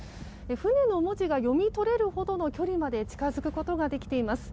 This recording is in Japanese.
船の文字が読み取れるほどの距離まで近づくことができています。